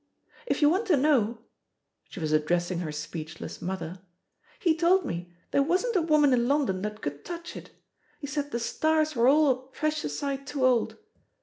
.•• If you want to know" — she was addressing her speech less mother — ^^'he told me there wasn't a woman in London that could touch it — ^he said the stars were all a precious sight too old.